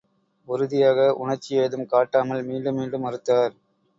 உறுதியாக உணர்ச்சி ஏதும் காட்டாமல் மீண்டும் மீண்டும் மறுத்தார்.